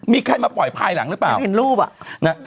มีใครมาปล่อยภายหลังหรือเปล่า